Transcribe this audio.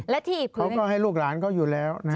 และที่อีกพื้นเขาก็ให้ลูกหลานเขาอยู่แล้วนะฮะ